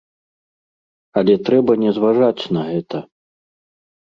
Але трэба не зважаць на гэта.